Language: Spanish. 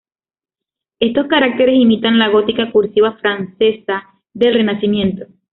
Estos caracteres imitan la gótica cursiva francesa del Renacimiento.